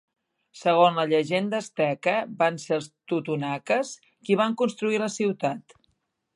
Segon la llegenda asteca, van ser els totonaques qui van construir la ciutat.